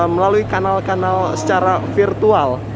melalui kanal kanal secara virtual